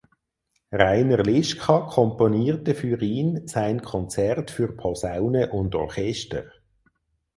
Rainer Lischka komponierte für ihn sein "Konzert für Posaune und Orchester".